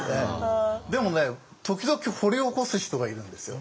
でもね時々掘り起こす人がいるんですよ。